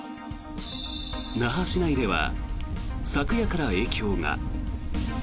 那覇市内では昨夜から影響が。